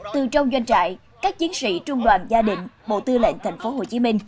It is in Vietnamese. từ trong doanh trại các chiến sĩ trung đoàn gia đình bộ tư lệnh tp hcm